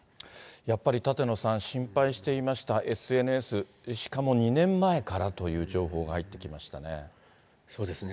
やっぱり舘野さん、心配していましたＳＮＳ、しかも２年前からという情報が入ってきましたね。